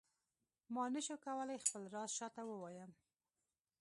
ما نه شو کولای خپل راز چاته ووایم.